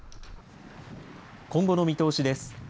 今後の見通しです。